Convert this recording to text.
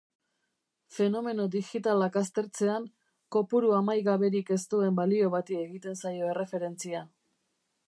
Fenomeno digitalak aztertzean, kopuru amaigaberik ez duen balio bati egiten zaio erreferentzia.